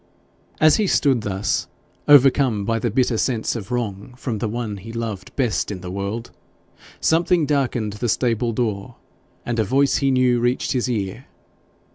As he stood thus, overcome by the bitter sense of wrong from the one he loved best in the world, something darkened the stable door, and a voice he knew reached his ear.